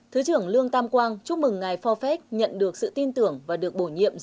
thứ trưởng lương tam quang chúc mừng ngài phò phét nhận được sự tin tưởng và được bổ nhiệm